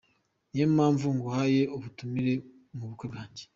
Ni yo mpamvu nguhaye ubutumire mu bukwe bwanjye.